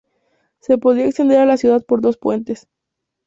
Se podía acceder a la ciudad por dos puentes.